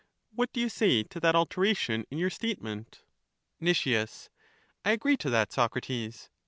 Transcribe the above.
What do you say to that alteration in your state ment? Nic, I agree to that, Socrates.